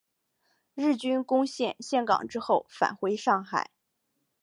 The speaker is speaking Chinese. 日军攻陷陷港之后返回上海。